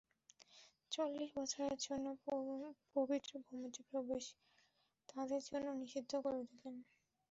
চল্লিশ বছরের জন্যে পবিত্র ভূমিতে প্রবেশ তাদের জন্যে নিষিদ্ধ করে দিলেন।